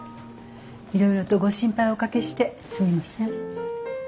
いろいろとご心配をおかけしてすみません。